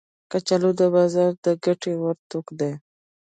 کچالو د بازار د ګټه ور توکي دي